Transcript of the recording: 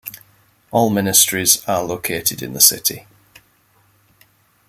All ministries are located in the city.